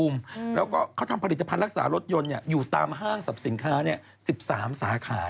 แล้วก็เขาทำผลิตภัณฑ์รักษารถยนต์อยู่ตามห้างสรรพสินค้า๑๓สาขา